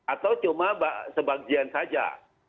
atau cuma sebagian saja